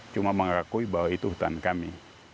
cuma mengakui bahwa itu hutan kami